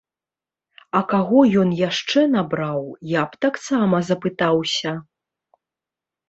А каго ён яшчэ набраў, я б таксама запытаўся.